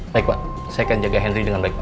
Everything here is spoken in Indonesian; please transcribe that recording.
baik pak saya akan jaga hendry dengan baik pak